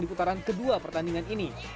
di putaran kedua pertandingan ini